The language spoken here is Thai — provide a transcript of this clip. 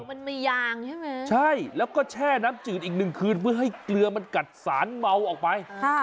มันมียางใช่ไหมใช่แล้วก็แช่น้ำจืดอีกหนึ่งคืนเพื่อให้เกลือมันกัดสารเมาออกไป